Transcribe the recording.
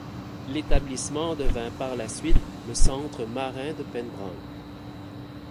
L'établissement devient par la suite le centre marin de Pen-Bron.